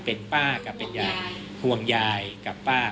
เป็นป้ากับเป็นยายห่วงยายกับป้า